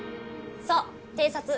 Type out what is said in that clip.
そう偵察！